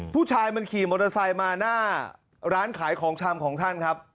ผู้ชายมันขี่มอเตอร์ไซค์มาหน้าร้านขายของชำของท่านครับ